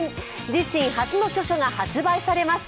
自身初の著書が発売されます。